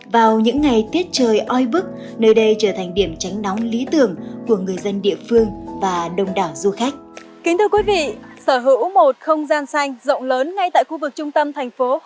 vào những ngày tiết trời oi bức nơi đây trở thành điểm tránh nóng lý tưởng của người dân địa phương và đông đảo du khách